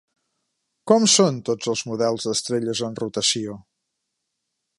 Com són tots els models d'estrelles en rotació?